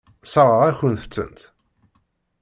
Sseṛɣeɣ-akent-tent.